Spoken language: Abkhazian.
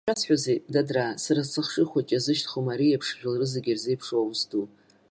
Ишәасҳәозеи, дадраа, сара сыхшыҩ хәыҷ иазышьҭыхуам ари еиԥш жәлары зегьы ирзеиԥшу аус ду.